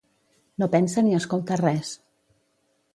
No pensa ni escolta res.